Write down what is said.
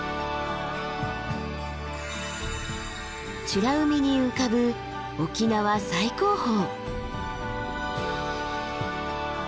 美ら海に浮かぶ沖縄最高峰。